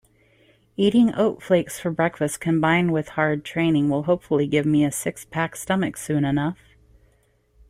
Eating oat flakes for breakfast combined with hard training will hopefully give me a six-pack stomach soon enough.